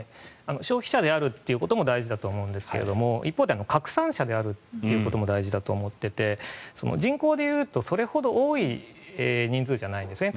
消費者であるということも大事だと思うんですが一方で拡散者であることも大事だと思っていて人口でいうと、それほど多い人数じゃないんですね。